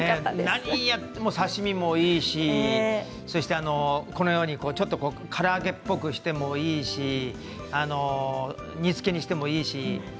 何やっても刺身もいいしこのようにから揚げっぽくしてもいいし煮つけにしてもいいし。